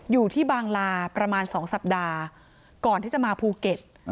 อยู่ที่บางลาประมาณ๒สัปดาห์ก่อนที่จะมาภูเก็ต